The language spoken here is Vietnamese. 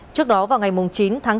trước đó vào ngày chín tháng bốn